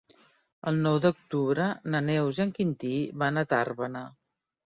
El nou d'octubre na Neus i en Quintí van a Tàrbena.